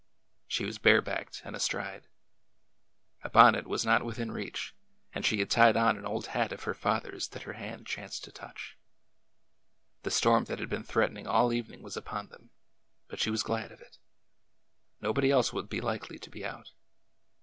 She was barebacked and astride. A bonnet was not within reach, and she had tied on an old hat of her father's that her hand chanced to touch. The storm that had been threatening all evening was upon them, but she was glad of it. Nobody else would be likely to be out.